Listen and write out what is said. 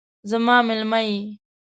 زما میلمه یې